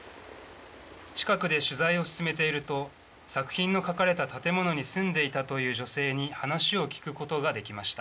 近くで取材を進めていると作品の描かれた建物に住んでいたという女性に話を聞くことができました。